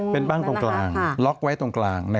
เป็นบ้านตรงกลางล็อกไว้ตรงกลาง